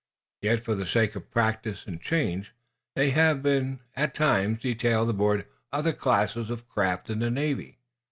Yet, for the sake of practice and change, they have been, at times, detailed aboard other classes of craft in the Navy.